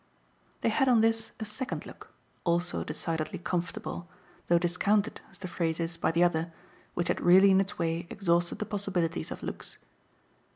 They had on this a second look, also decidedly comfortable, though discounted, as the phrase is, by the other, which had really in its way exhausted the possibilities of looks.